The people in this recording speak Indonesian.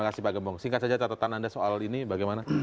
terima kasih pak gembong singkat saja catatan anda soal ini bagaimana